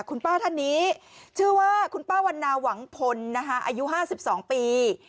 คุณป้าท่านนี้ชื่อว่าคุณป้าวันนาหวังพลอายุ๕๒ปี